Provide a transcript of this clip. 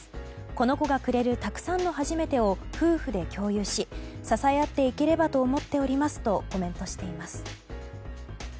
この子がくれるたくさんの初めてを夫婦で共有し支え合っていければと思っておりますとコメントしています。